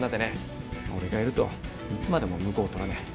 俺がいるといつまでも婿を取らねえ。